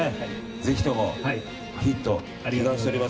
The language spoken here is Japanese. ぜひともヒット祈願しております。